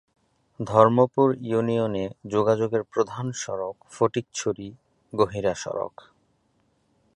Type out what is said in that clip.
ধর্মপুর ইউনিয়নে যোগাযোগের প্রধান সড়ক ফটিকছড়ি-গহিরা সড়ক।